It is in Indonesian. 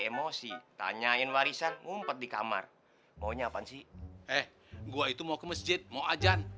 emosi tanyain warisan ngumpet di kamar maunya apa sih eh gua itu mau ke masjid mau ajan